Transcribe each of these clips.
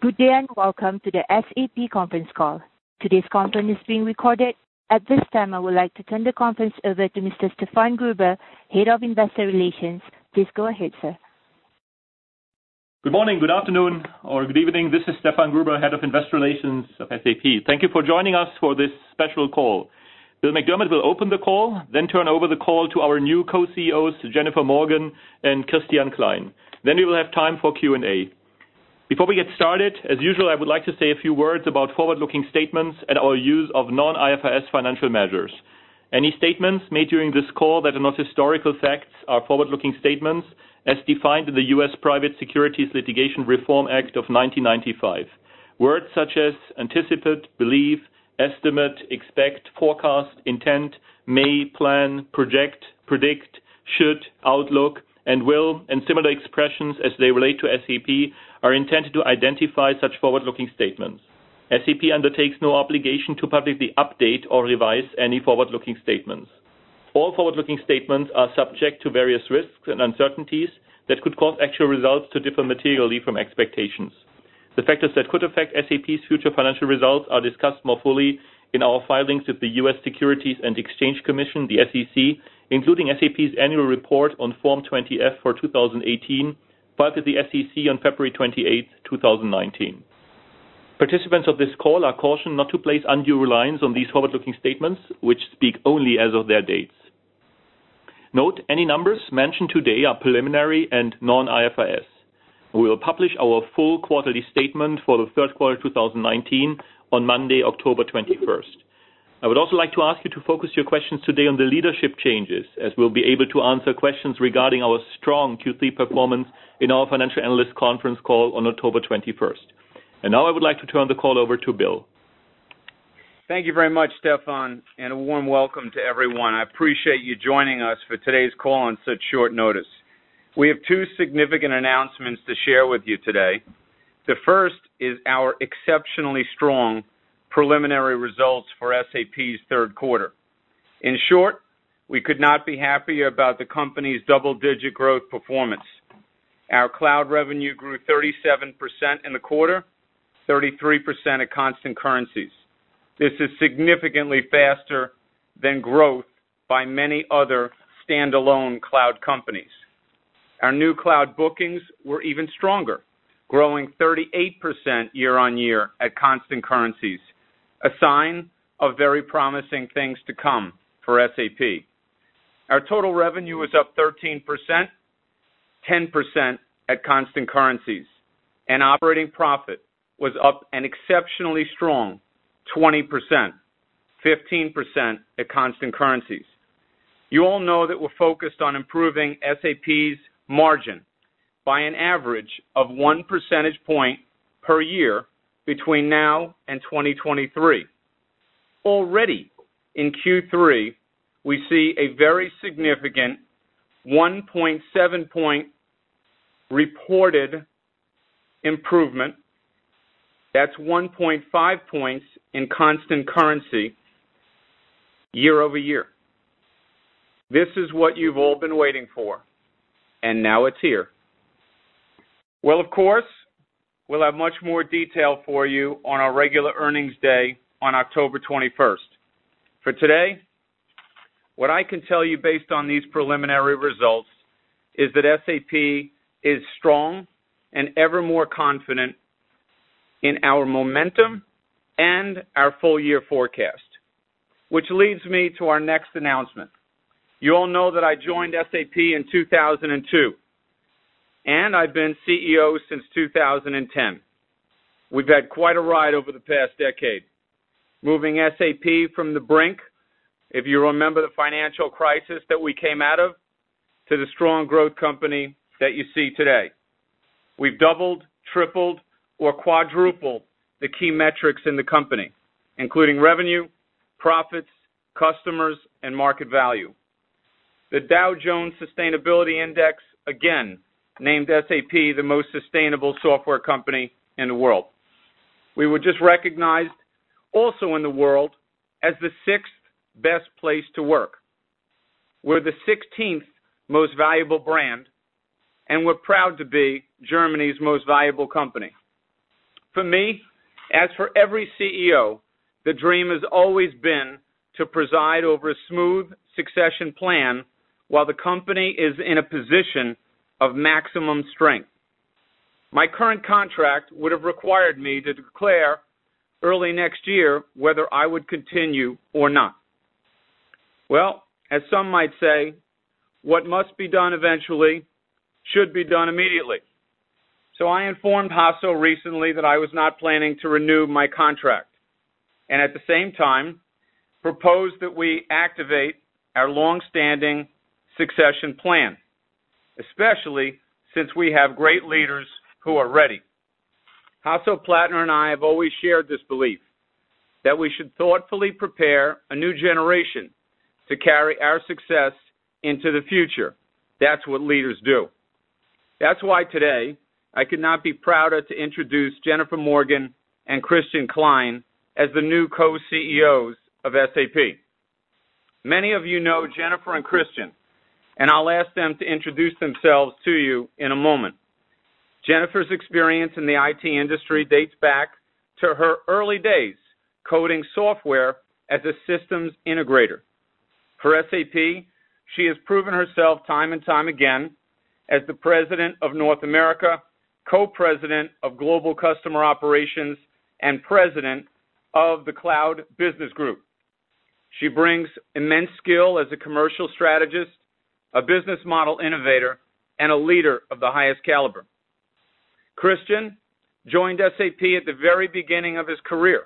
Good day, and welcome to the SAP conference call. Today's conference is being recorded. At this time, I would like to turn the conference over to Mr. Stefan Gruber, Head of Investor Relations. Please go ahead, sir. Good morning, good afternoon, or good evening. This is Stefan Gruber, head of investor relations of SAP. Thank you for joining us for this special call. Bill McDermott will open the call, then turn over the call to our new co-CEOs, Jennifer Morgan and Christian Klein. We will have time for Q&A. Before we get started, as usual, I would like to say a few words about forward-looking statements and our use of non-IFRS financial measures. Any statements made during this call that are not historical facts are forward-looking statements as defined in the U.S. Private Securities Litigation Reform Act of 1995. Words such as anticipate, believe, estimate, expect, forecast, intent, may, plan, project, predict, should, outlook, and will, and similar expressions as they relate to SAP, are intended to identify such forward-looking statements. SAP undertakes no obligation to publicly update or revise any forward-looking statements. All forward-looking statements are subject to various risks and uncertainties that could cause actual results to differ materially from expectations. The factors that could affect SAP's future financial results are discussed more fully in our filings with the U.S. Securities and Exchange Commission, the SEC, including SAP's annual report on Form 20-F for 2018, filed with the SEC on February 28, 2019. Participants of this call are cautioned not to place undue reliance on these forward-looking statements, which speak only as of their dates. Note, any numbers mentioned today are preliminary and non-IFRS. We will publish our full quarterly statement for the third quarter 2019 on Monday, October 21st. I would also like to ask you to focus your questions today on the leadership changes, as we'll be able to answer questions regarding our strong Q3 performance in our financial analyst conference call on October 21st. Now I would like to turn the call over to Bill. Thank you very much, Stefan. A warm welcome to everyone. I appreciate you joining us for today's call on such short notice. We have two significant announcements to share with you today. The first is our exceptionally strong preliminary results for SAP's third quarter. In short, we could not be happier about the company's double-digit growth performance. Our cloud revenue grew 37% in the quarter, 33% at constant currencies. This is significantly faster than growth by many other standalone cloud companies. Our new cloud bookings were even stronger, growing 38% year-on-year at constant currencies, a sign of very promising things to come for SAP. Our total revenue was up 13%, 10% at constant currencies, and operating profit was up an exceptionally strong 20%, 15% at constant currencies. You all know that we're focused on improving SAP's margin by an average of one percentage point per year between now and 2023. Already in Q3, we see a very significant 1.7 point reported improvement. That's 1.5 points in constant currency year-over-year. This is what you've all been waiting for, and now it's here. Well, of course, we'll have much more detail for you on our regular earnings day on October 21st. For today, what I can tell you based on these preliminary results is that SAP is strong and ever more confident in our momentum and our full year forecast. Which leads me to our next announcement. You all know that I joined SAP in 2002, and I've been CEO since 2010. We've had quite a ride over the past decade. Moving SAP from the brink, if you remember the financial crisis that we came out of, to the strong growth company that you see today. We've doubled, tripled, or quadrupled the key metrics in the company, including revenue, profits, customers, and market value. The Dow Jones Sustainability Indices again named SAP the most sustainable software company in the world. We were just recognized, also in the world, as the sixth best place to work. We're the 16th most valuable brand, and we're proud to be Germany's most valuable company. For me, as for every CEO, the dream has always been to preside over a smooth succession plan while the company is in a position of maximum strength. My current contract would've required me to declare early next year whether I would continue or not. Well, as some might say, what must be done eventually should be done immediately. I informed Hasso recently that I was not planning to renew my contract, and at the same time, proposed that we activate our longstanding succession plan, especially since we have great leaders who are ready. Hasso Plattner and I have always shared this belief, that we should thoughtfully prepare a new generation to carry our success into the future. That's what leaders do. That's why today I could not be prouder to introduce Jennifer Morgan and Christian Klein as the new Co-CEOs of SAP. Many of you know Jennifer and Christian, and I'll ask them to introduce themselves to you in a moment. Jennifer's experience in the IT industry dates back to her early days coding software as a systems integrator. For SAP, she has proven herself time and time again as the President of North America, Co-President of Global Customer Operations, and President of the Cloud Business Group. She brings immense skill as a commercial strategist, a business model innovator, and a leader of the highest caliber. Christian joined SAP at the very beginning of his career.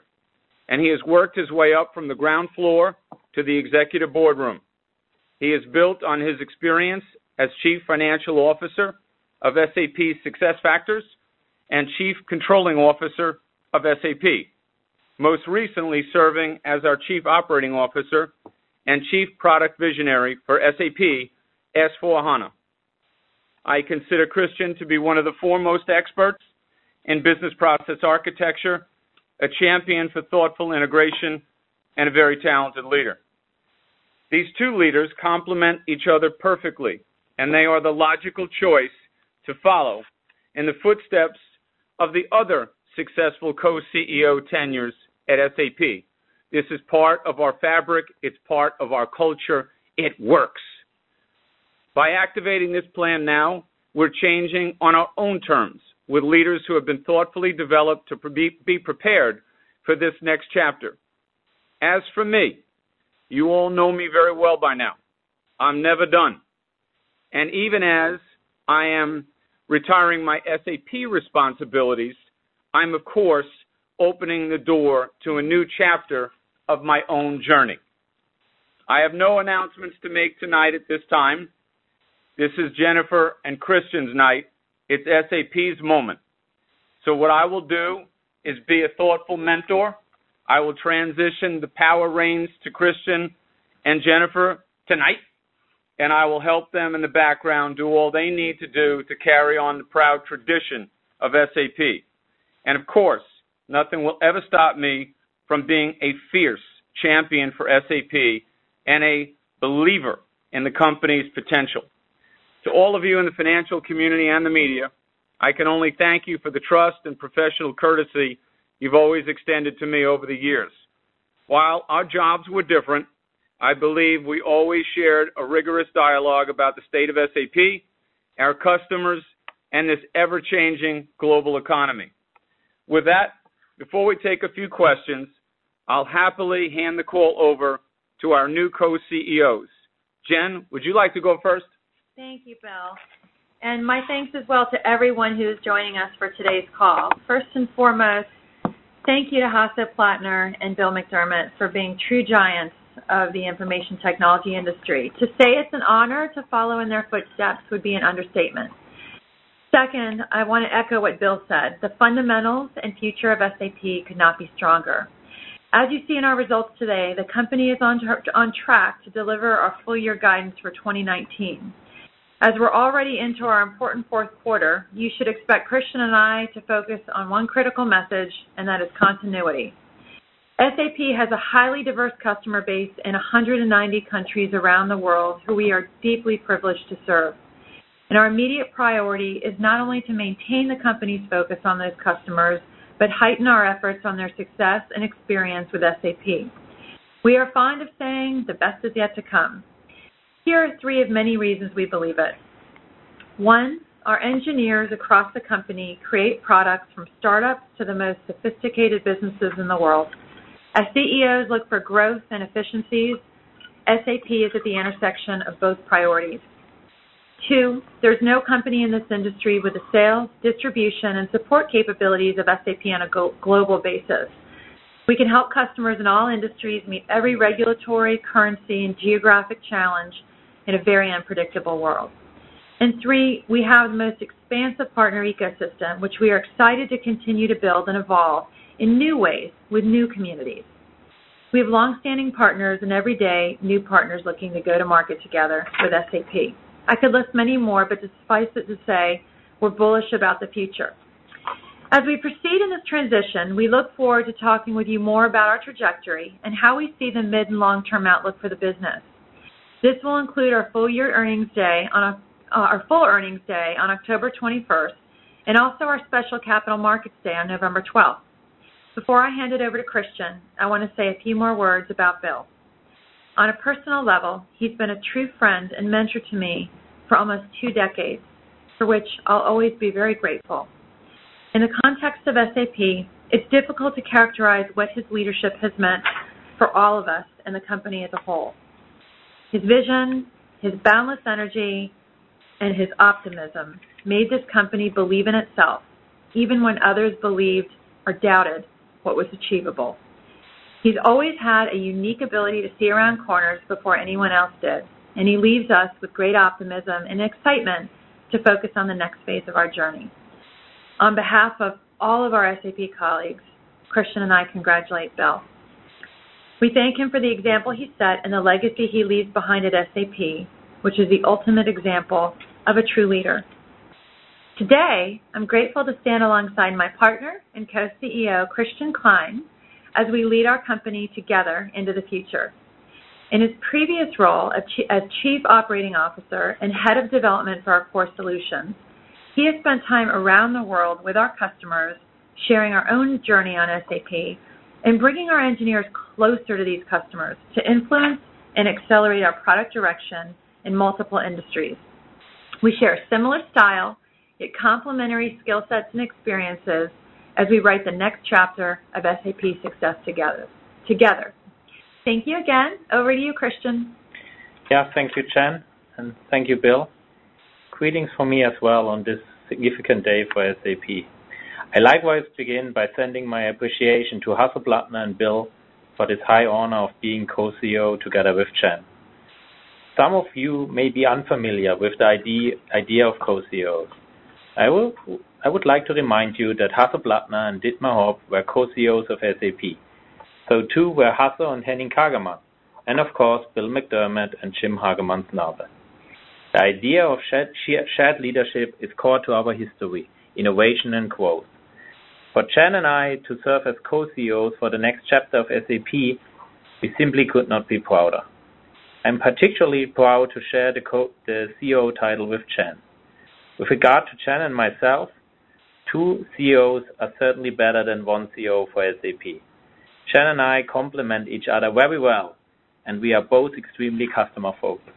He has worked his way up from the ground floor to the executive boardroom. He has built on his experience as Chief Financial Officer of SAP SuccessFactors and Chief Controlling Officer of SAP, most recently serving as our Chief Operating Officer and Chief Product Visionary for SAP S/4HANA. I consider Christian to be one of the foremost experts in business process architecture, a champion for thoughtful integration, and a very talented leader. These two leaders complement each other perfectly. They are the logical choice to follow in the footsteps of the other successful co-CEO tenures at SAP. This is part of our fabric, it's part of our culture. It works. By activating this plan now, we're changing on our own terms with leaders who have been thoughtfully developed to be prepared for this next chapter. As for me, you all know me very well by now. I'm never done, and even as I am retiring my SAP responsibilities, I'm, of course, opening the door to a new chapter of my own journey. I have no announcements to make tonight at this time. This is Jennifer and Christian's night. It's SAP's moment. What I will do is be a thoughtful mentor. I will transition the power reins to Christian and Jennifer tonight, and I will help them in the background do all they need to do to carry on the proud tradition of SAP. Of course, nothing will ever stop me from being a fierce champion for SAP and a believer in the company's potential. To all of you in the financial community and the media, I can only thank you for the trust and professional courtesy you've always extended to me over the years. While our jobs were different, I believe we always shared a rigorous dialogue about the state of SAP, our customers, and this ever-changing global economy. With that, before we take a few questions, I'll happily hand the call over to our new co-CEOs. Jen, would you like to go first? Thank you, Bill. My thanks as well to everyone who is joining us for today's call. First and foremost, thank you to Hasso Plattner and Bill McDermott for being true giants of the information technology industry. To say it's an honor to follow in their footsteps would be an understatement. Second, I want to echo what Bill said. The fundamentals and future of SAP could not be stronger. As you see in our results today, the company is on track to deliver our full year guidance for 2019. As we're already into our important fourth quarter, you should expect Christian and I to focus on one critical message, and that is continuity. SAP has a highly diverse customer base in 190 countries around the world who we are deeply privileged to serve. Our immediate priority is not only to maintain the company's focus on those customers, but heighten our efforts on their success and experience with SAP. We are fond of saying the best is yet to come. Here are three of many reasons we believe it. One, our engineers across the company create products from startups to the most sophisticated businesses in the world. As CEOs look for growth and efficiencies, SAP is at the intersection of both priorities. Two, there's no company in this industry with the sales, distribution, and support capabilities of SAP on a global basis. We can help customers in all industries meet every regulatory, currency, and geographic challenge in a very unpredictable world. Three, we have the most expansive partner ecosystem, which we are excited to continue to build and evolve in new ways with new communities. We have longstanding partners, and every day, new partners looking to go to market together with SAP. I could list many more, but suffice it to say, we're bullish about the future. As we proceed in this transition, we look forward to talking with you more about our trajectory and how we see the mid and long-term outlook for the business. This will include our full earnings day on October 21st and also our special Capital Markets Day on November 12th. Before I hand it over to Christian, I want to say a few more words about Bill. On a personal level, he's been a true friend and mentor to me for almost two decades, for which I'll always be very grateful. In the context of SAP, it's difficult to characterize what his leadership has meant for all of us and the company as a whole. His vision, his boundless energy, and his optimism made this company believe in itself, even when others believed or doubted what was achievable. He's always had a unique ability to see around corners before anyone else did, and he leaves us with great optimism and excitement to focus on the next phase of our journey. On behalf of all of our SAP colleagues, Christian and I congratulate Bill. We thank him for the example he set and the legacy he leaves behind at SAP, which is the ultimate example of a true leader. Today, I'm grateful to stand alongside my partner and Co-CEO, Christian Klein, as we lead our company together into the future. In his previous role as chief operating officer and head of development for our core solutions, he has spent time around the world with our customers, sharing our own journey on SAP and bringing our engineers closer to these customers to influence and accelerate our product direction in multiple industries. We share a similar style, yet complementary skill sets and experiences as we write the next chapter of SAP success together. Thank you again. Over to you, Christian. Yeah. Thank you, Jen, and thank you, Bill. Greetings from me as well on this significant day for SAP. I likewise begin by sending my appreciation to Hasso Plattner and Bill for this high honor of being Co-CEO together with Jen. Some of you may be unfamiliar with the idea of Co-CEOs. I would like to remind you that Hasso Plattner and Dietmar Hopp were Co-CEOs of SAP. Too were Hasso and Henning Kagermann, and of course, Bill McDermott and Jim Hagemann Snabe. The idea of shared leadership is core to our history, innovation, and growth. For Jen and I to serve as Co-CEOs for the next chapter of SAP, we simply could not be prouder. I'm particularly proud to share the CEO title with Jen. With regard to Jen and myself, two CEOs are certainly better than one CEO for SAP. Jen and I complement each other very well, and we are both extremely customer-focused.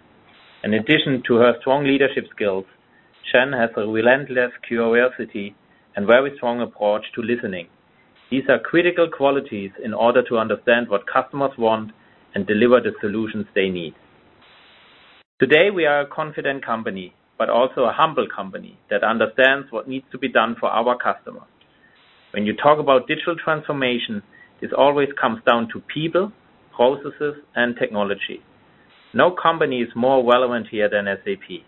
In addition to her strong leadership skills, Jen has a relentless curiosity and very strong approach to listening. These are critical qualities in order to understand what customers want and deliver the solutions they need. Today, we are a confident company, but also a humble company that understands what needs to be done for our customers. When you talk about digital transformation, this always comes down to people, processes, and technology. No company is more relevant here than SAP.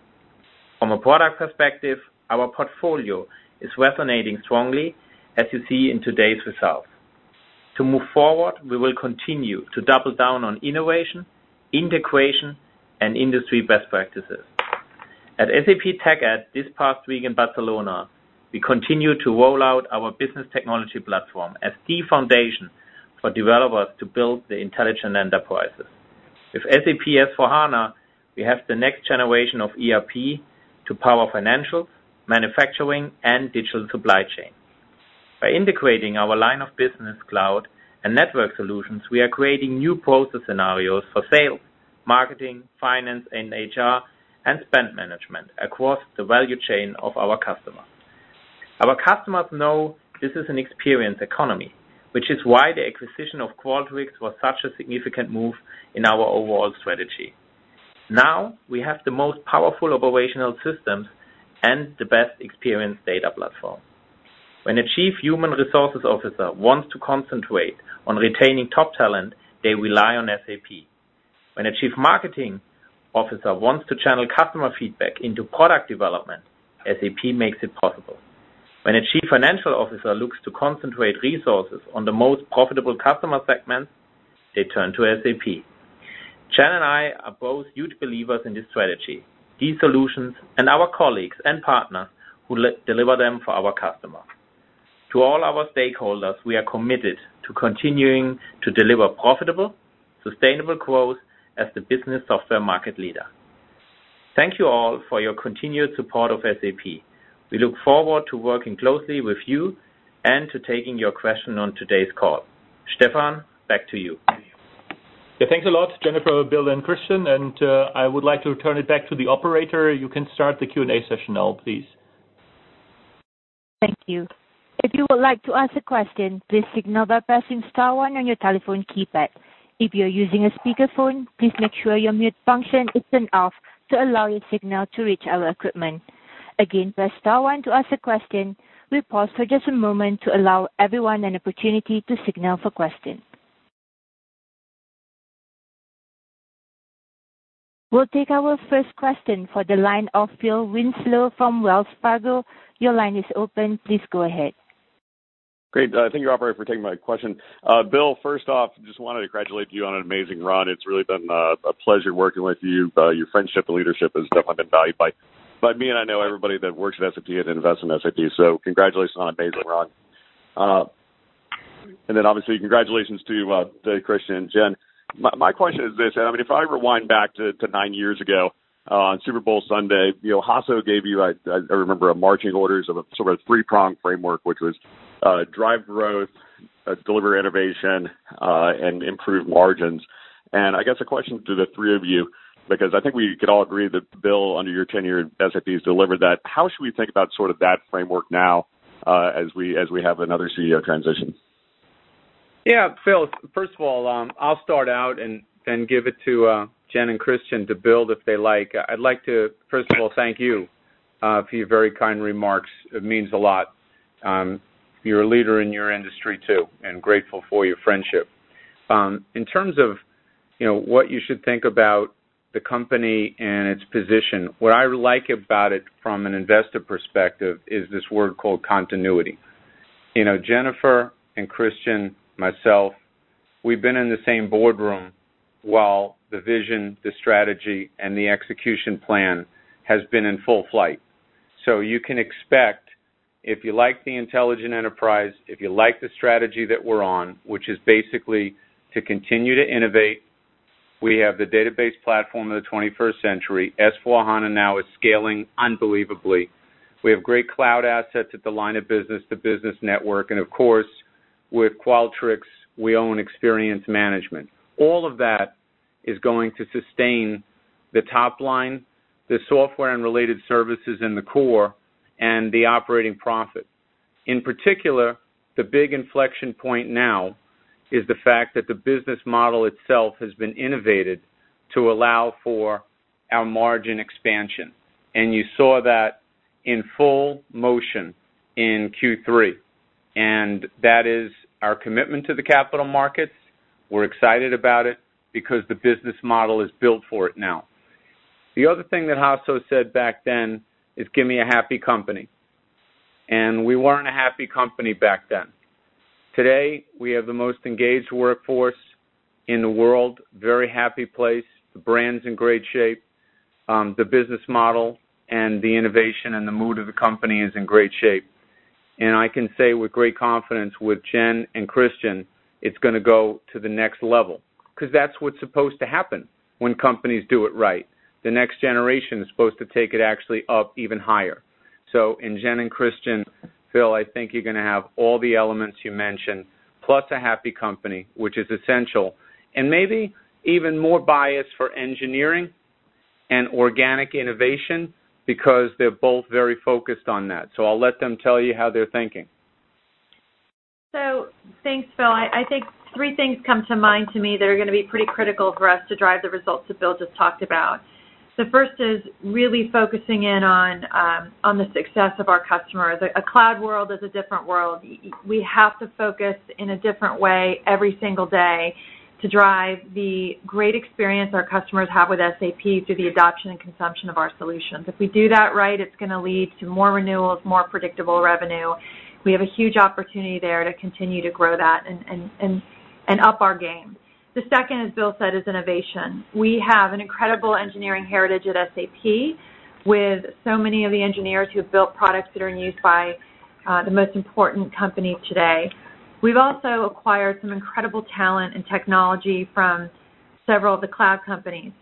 From a product perspective, our portfolio is resonating strongly, as you see in today's results. To move forward, we will continue to double down on innovation, integration, and industry best practices. At SAP TechEd this past week in Barcelona, we continued to roll out our business technology platform as the foundation for developers to build the intelligent enterprises. With SAP S/4HANA, we have the next generation of ERP to power financial, manufacturing, and digital supply chain. By integrating our line of business cloud and network solutions, we are creating new process scenarios for sales, marketing, finance, and HR, and spend management across the value chain of our customers. Our customers know this is an experience economy, which is why the acquisition of Qualtrics was such a significant move in our overall strategy. Now, we have the most powerful operational systems and the best experience data platform. When a chief human resources officer wants to concentrate on retaining top talent, they rely on SAP. When a chief marketing officer wants to channel customer feedback into product development, SAP makes it possible. When a chief financial officer looks to concentrate resources on the most profitable customer segments, they turn to SAP. Jen and I are both huge believers in this strategy, these solutions, and our colleagues and partners who deliver them for our customers. To all our stakeholders, we are committed to continuing to deliver profitable, sustainable growth as the business software market leader. Thank you all for your continued support of SAP. We look forward to working closely with you and to taking your questions on today's call. Stefan, back to you. Yeah, thanks a lot, Jennifer, Bill, and Christian. I would like to turn it back to the operator. You can start the Q&A session now, please. Thank you. If you would like to ask a question, please signal by pressing star one on your telephone keypad. If you're using a speakerphone, please make sure your mute function is turned off to allow your signal to reach our equipment. Again, press star one to ask a question. We'll pause for just a moment to allow everyone an opportunity to signal for questions. We'll take our first question for the line of Phil Winslow from Wells Fargo. Your line is open. Please go ahead. Great. Thank you, operator, for taking my question. Bill, first off, just wanted to congratulate you on an amazing run. It's really been a pleasure working with you. Your friendship and leadership has definitely been valued by me, and I know everybody that works at SAP and invests in SAP. Congratulations on an amazing run. Obviously, congratulations to Christian and Jen. My question is this. If I rewind back to nine years ago on Super Bowl Sunday, Hasso gave you, I remember, marching orders of a sort of three-pronged framework, which was drive growth, deliver innovation, and improve margins. I guess a question to the three of you, because I think we could all agree that Bill, under your tenure at SAP, has delivered that. How should we think about sort of that framework now as we have another CEO transition? Phil, first of all, I'll start out and then give it to Jen and Christian to build if they like. I'd like to, first of all, thank you for your very kind remarks. It means a lot. You're a leader in your industry, too, and grateful for your friendship. In terms of what you should think about the company and its position, what I like about it from an investor perspective is this word called continuity. Jennifer and Christian, myself, we've been in the same boardroom while the vision, the strategy, and the execution plan has been in full flight. You can expect, if you like the Intelligent Enterprise, if you like the strategy that we're on, which is basically to continue to innovate. We have the database platform of the 21st century, S/4HANA now is scaling unbelievably. We have great cloud assets at the line of business, the business network, and of course, with Qualtrics, we own experience management. All of that is going to sustain the top line, the software and related services in the core, and the operating profit. In particular, the big inflection point now is the fact that the business model itself has been innovated to allow for our margin expansion. You saw that in full motion in Q3, and that is our commitment to the capital markets. We're excited about it because the business model is built for it now. The other thing that Hasso said back then is, "Give me a happy company." We weren't a happy company back then. Today, we have the most engaged workforce in the world. Very happy place. The brand's in great shape. The business model and the innovation and the mood of the company is in great shape. I can say with great confidence with Jen and Christian, it's going to go to the next level, because that's what's supposed to happen when companies do it right. The next generation is supposed to take it actually up even higher. In Jen and Christian, Phil, I think you're going to have all the elements you mentioned, plus a happy company, which is essential. Maybe even more bias for engineering and organic innovation, because they're both very focused on that. I'll let them tell you how they're thinking. Thanks, Phil. I think three things come to mind to me that are going to be pretty critical for us to drive the results that Phil just talked about. The first is really focusing in on the success of our customers. A cloud world is a different world. We have to focus in a different way every single day to drive the great experience our customers have with SAP through the adoption and consumption of our solutions. If we do that right, it's going to lead to more renewals, more predictable revenue. We have a huge opportunity there to continue to grow that and up our game. The second, as Bill said, is innovation. We have an incredible engineering heritage at SAP with so many of the engineers who have built products that are in use by the most important companies today. We've also acquired some incredible talent and technology from several of the cloud companies.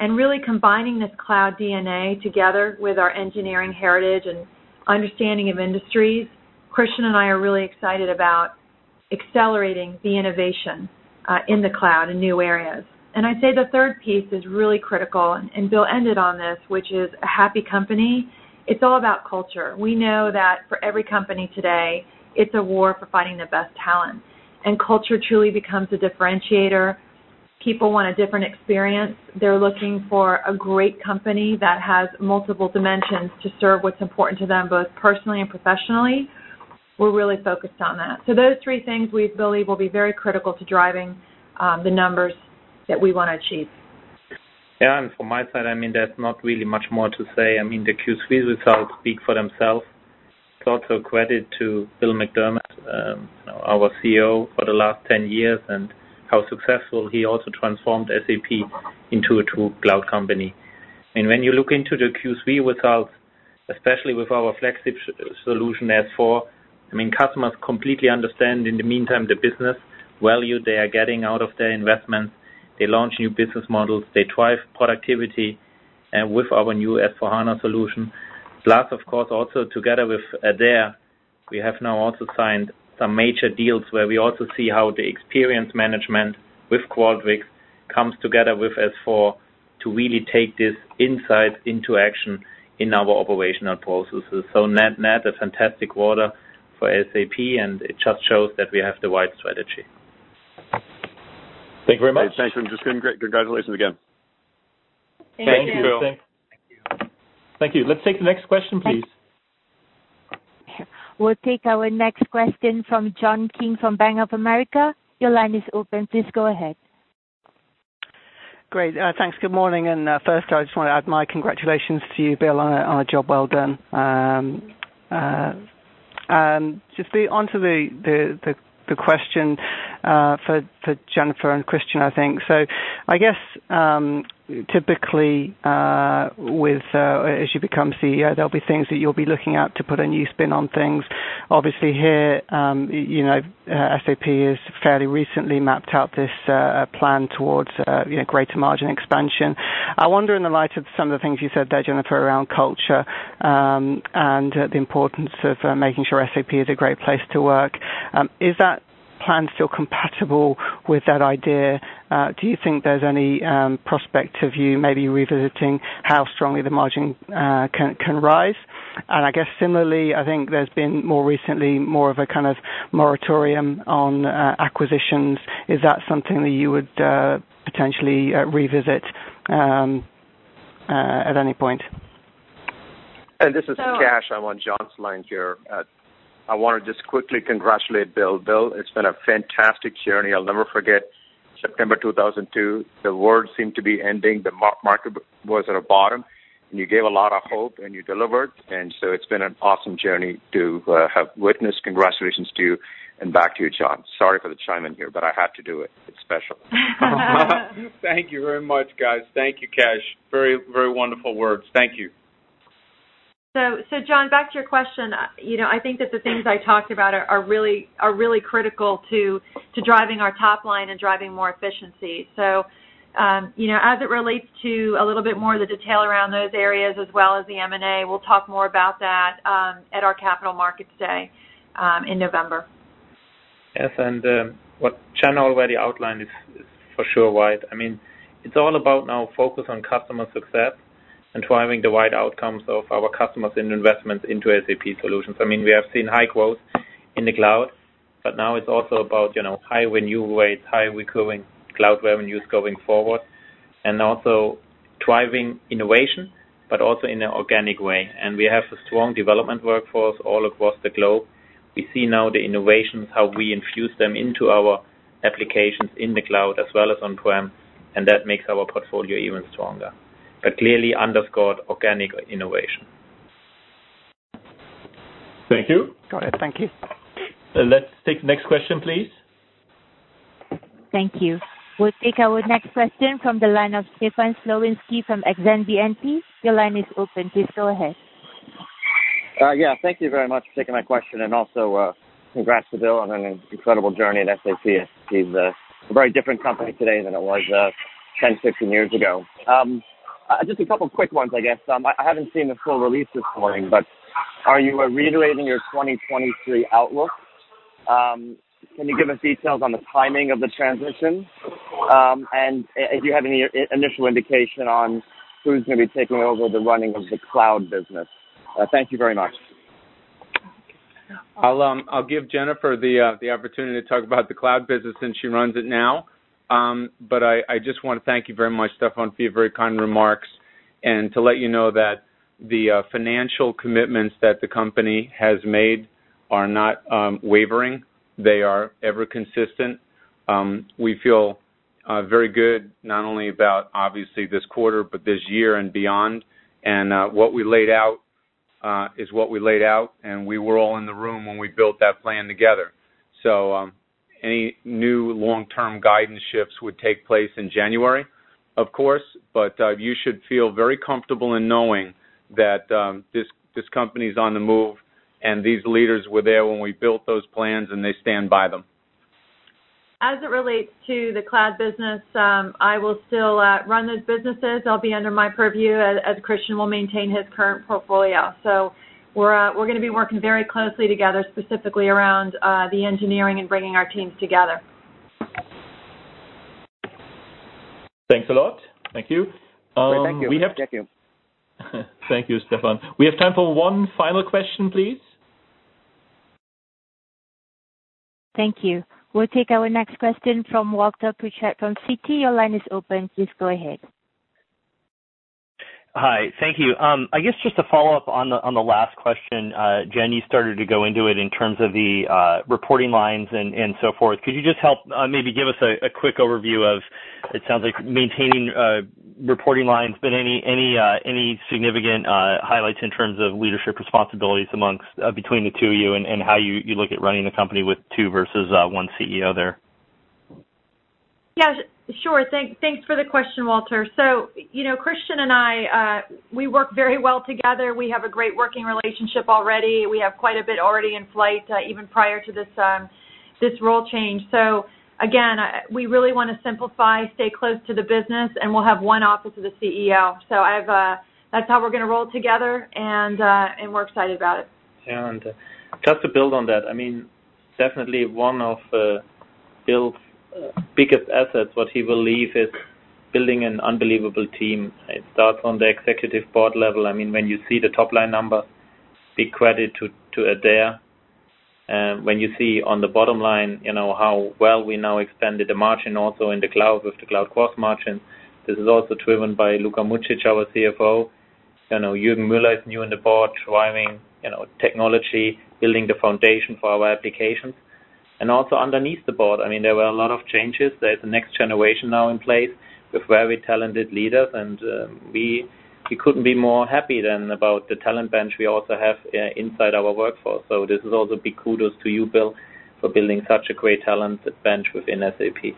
Really combining this cloud DNA together with our engineering heritage and understanding of industries, Christian and I are really excited about accelerating the innovation in the cloud in new areas. I'd say the third piece is really critical, and Bill ended on this, which is a happy company. It's all about culture. We know that for every company today, it's a war for finding the best talent. Culture truly becomes a differentiator. People want a different experience. They're looking for a great company that has multiple dimensions to serve what's important to them, both personally and professionally. We're really focused on that. Those three things we believe will be very critical to driving the numbers that we want to achieve. From my side, there's not really much more to say. The Q3 results speak for themselves. It's also a credit to Bill McDermott, our CEO for the last 10 years, and how successful he also transformed SAP into a true cloud company. When you look into the Q3 results, especially with our flagship solution, S/4, customers completely understand in the meantime, the business value they are getting out of their investments. They launch new business models, they drive productivity, and with our new S/4HANA solution. Of course, also together with Adaire, we have now also signed some major deals where we also see how the experience management with Qualtrics comes together with S/4 to really take this insight into action in our operational processes. Net, a fantastic quarter for SAP, and it just shows that we have the right strategy. Thank you very much. Thanks. Christian, great. Congratulations again. Thank you. Thank you, Phil. Thank you. Thank you. Let's take the next question, please. We'll take our next question from John King from Bank of America. Your line is open. Please go ahead. Great. Thanks. Good morning. First, I just want to add my congratulations to you, Bill, on a job well done. Just onto the question for Jennifer and Christian, I think. I guess, typically, as you become CEO, there'll be things that you'll be looking at to put a new spin on things. Obviously, here SAP has fairly recently mapped out this plan towards greater margin expansion. I wonder in the light of some of the things you said there, Jennifer, around culture, and the importance of making sure SAP is a great place to work. Is that plan still compatible with that idea? Do you think there's any prospect of you maybe revisiting how strongly the margin can rise? I guess similarly, I think there's been more recently more of a kind of moratorium on acquisitions. Is that something that you would potentially revisit at any point? This is Kash. I'm on John's line here. I want to just quickly congratulate Bill. Bill, it's been a fantastic journey. I'll never forget. September 2002, the world seemed to be ending. The market was at a bottom. You gave a lot of hope, and you delivered. It's been an awesome journey to have witnessed. Congratulations to you. Back to you, John. Sorry for the chime-in here. I had to do it. It's special. Thank you very much, guys. Thank you, Kash. Very wonderful words. Thank you. John, back to your question. I think that the things I talked about are really critical to driving our top line and driving more efficiency. As it relates to a little bit more of the detail around those areas as well as the M&A, we'll talk more about that at our Capital Markets Day in November. Yes, what Jennifer already outlined is for sure right. It's all about now focus on customer success and driving the right outcomes of our customers and investments into SAP solutions. We have seen high growth in the cloud, but now it's also about high revenue rates, high recurring cloud revenues going forward, and also driving innovation, but also in an organic way. We have a strong development workforce all across the globe. We see now the innovations, how we infuse them into our applications in the cloud as well as on-prem, and that makes our portfolio even stronger. Clearly underscored organic innovation. Thank you. Got it. Thank you. Let's take the next question, please. Thank you. We'll take our next question from the line of Stefan Slowinski from Exane BNP. Your line is open. Please go ahead. Yeah. Thank you very much for taking my question, also congrats to Bill on an incredible journey at SAP. It's a very different company today than it was 10, 15 years ago. Just a couple of quick ones, I guess. I haven't seen the full release this morning, are you reiterating your 2023 outlook? Can you give us details on the timing of the transition? If you have any initial indication on who's going to be taking over the running of the cloud business. Thank you very much. I'll give Jennifer the opportunity to talk about the cloud business since she runs it now. I just want to thank you very much, Stefan, for your very kind remarks, and to let you know that the financial commitments that the company has made are not wavering. They are ever consistent. We feel very good, not only about obviously this quarter, but this year and beyond. What we laid out is what we laid out, and we were all in the room when we built that plan together. Any new long-term guidance shifts would take place in January, of course. You should feel very comfortable in knowing that this company's on the move, and these leaders were there when we built those plans, and they stand by them. As it relates to the cloud business, I will still run those businesses. They'll be under my purview as Christian will maintain his current portfolio. We're going to be working very closely together, specifically around the engineering and bringing our teams together. Thanks a lot. Thank you. Thank you. Thank you, Stefan. We have time for one final question, please. Thank you. We'll take our next question from Walter Pritchard from Citi. Your line is open. Please go ahead. Hi. Thank you. I guess just to follow up on the last question. Jen, you started to go into it in terms of the reporting lines and so forth. Could you just help maybe give us a quick overview of, it sounds like maintaining reporting lines, but any significant highlights in terms of leadership responsibilities between the two of you, and how you look at running the company with two versus one CEO there? Yeah, sure. Thanks for the question, Walter. Christian and I, we work very well together. We have a great working relationship already. We have quite a bit already in flight, even prior to this role change. Again, we really want to simplify, stay close to the business, and we'll have one office of the CEO. That's how we're going to roll together, and we're excited about it. Just to build on that. Definitely one of Bill's biggest assets, what he believes is building an unbelievable team. It starts from the executive board level. When you see the top-line number, big credit to Adaire. When you see on the bottom line how well we now expanded the margin also in the cloud with the cloud gross margin, this is also driven by Luka Mucic, our CFO. Jürgen Müller is new on the board, driving technology, building the foundation for our applications. Also underneath the board, there were a lot of changes. There's a next generation now in place with very talented leaders, we couldn't be more happy than about the talent bench we also have inside our workforce. This is also big kudos to you, Bill, for building such a great talented bench within SAP.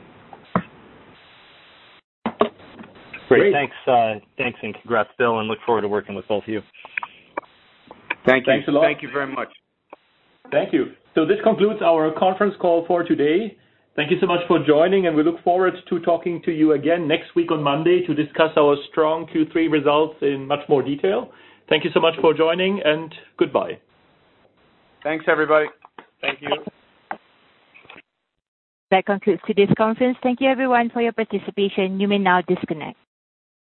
Great. Thanks, and congrats, Bill, and look forward to working with both of you. Thanks a lot. Thank you very much. Thank you. This concludes our conference call for today. Thank you so much for joining, and we look forward to talking to you again next week on Monday to discuss our strong Q3 results in much more detail. Thank you so much for joining, and goodbye. Thanks, everybody. Thank you. That concludes today's conference. Thank you, everyone, for your participation. You may now disconnect.